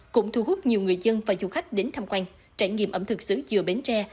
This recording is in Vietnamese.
cũng thu hút nhiều người dân và du khách đến tham quan trải nghiệm ẩm thực sứ dừa bến tre